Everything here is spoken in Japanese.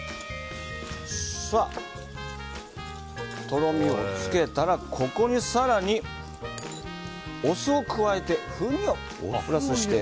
とろみをつけたらここに更にお酢を加えて風味をプラスして。